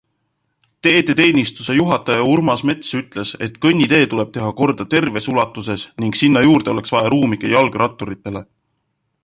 Teedeteenistuse juhataja Urmas Mets ütles, et kõnnitee tuleb teha korda terves ulatuses ning sinna juurde oleks vaja ruumi ka jalgratturitele.